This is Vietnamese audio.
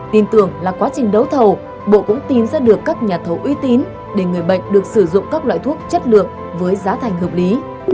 tin tưởng là quá trình đấu thầu bộ cũng tìm ra được các nhà thầu uy tín để người bệnh được sử dụng các loại thuốc chất lượng với giá thành hợp lý